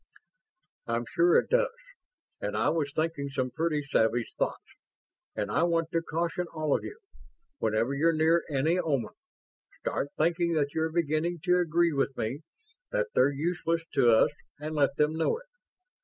"I'm sure it does, and I was thinking some pretty savage thoughts. And I want to caution all of you: whenever you're near any Oman, start thinking that you're beginning to agree with me that they're useless to us, and let them know it.